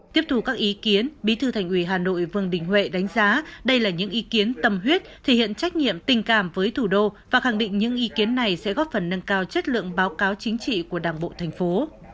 tiếp thù các ý kiến bí thư thành ủy hà nội vương đình huệ đánh giá đây là những ý kiến tâm huyết thể hiện trách nhiệm tình cảm với thủ đô và khẳng định những ý kiến này sẽ góp phần nâng cao chất lượng báo cáo chính trị của đảng bộ thành phố